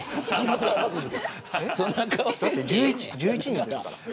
１１人ですから。